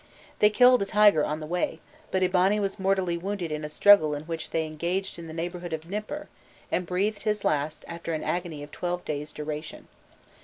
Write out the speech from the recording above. They killed a tiger on the way, but Eabani was mortally wounded in a struggle in which they engaged in the neighbourhood of Nipur, and breathed his last after an agony of twelve days' duration.